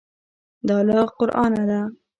دا له قرانه ده.